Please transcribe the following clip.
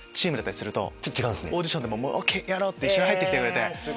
オーディションでもＯＫやろう！って一緒に入ってきてくれて。